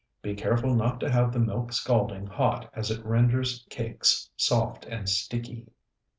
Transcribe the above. Be careful not to have the milk scalding hot, as it renders cakes soft and sticky.